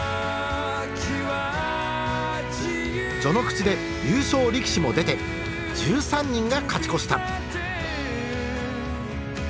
序ノ口で優勝力士も出て１３人が勝ち越した。